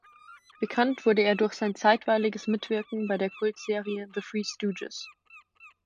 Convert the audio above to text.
Bekannt wurde er durch sein zeitweiliges Mitwirken bei der Kultserie The Three Stooges.